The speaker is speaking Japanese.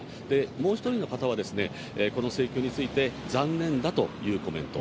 もう１人の方は、この請求について、残念だというコメント。